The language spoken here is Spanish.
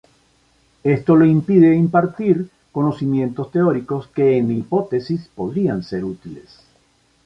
Esto le impide impartir conocimientos teóricos que en hipótesis podrían ser útiles.